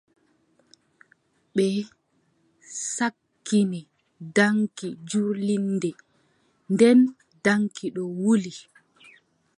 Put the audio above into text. Ɓe cakkini daŋki jurlirnde, nden daŋki ɗo wuli.